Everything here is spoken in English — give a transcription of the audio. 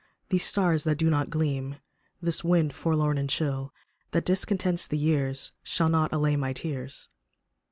These stars that do not gleam, This wind, forlorn and chill, That discontents the years, Shall not allay my tears.